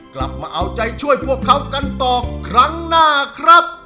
กลับมาเอาใจช่วยพวกเขากันต่อครั้งหน้าครับ